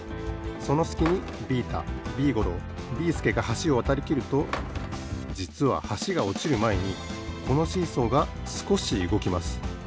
そのすきにビータビーゴロービーすけがはしをわたりきるとじつははしがおちるまえにこのシーソーがすこしうごきます。